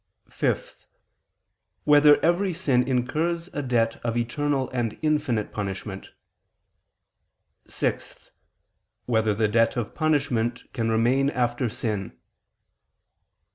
(5) Whether every sin incurs a debt of eternal and infinite punishment? (6) Whether the debt of punishment can remain after sin?